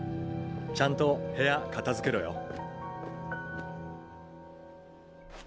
ちゃんと部屋片づけろよ。